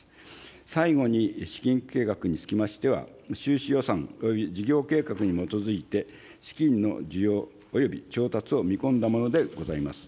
最後に、資金計画につきましては、収支予算および事業計画に基づいて、資金の需要および調達を見込んだものでございます。